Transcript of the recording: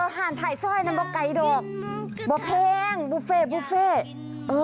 ห่านถ่ายซ่อยนั้นบอกไก่ดอกบอกแพงบุฟเฟต์บุฟเฟต์เออ